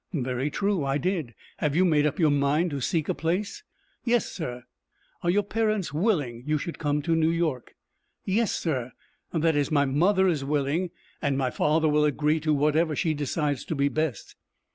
"Very true, I did. Have you made up your mind to seek a place?" "Yes, sir." "Are your parents willing you should come to New York?" "Yes, sir. That is, my mother is willing, and my father will agree to whatever she decides to be best."